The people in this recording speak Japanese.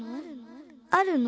あるの？